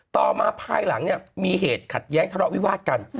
ต่อมาภายหลังเนี่ยมีเหตุขัดแย้งทะเลาะวิวาสกัน